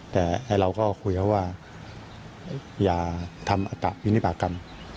แต่เราก็คุยเขาว่าอย่าทำอัตภินิบากรรม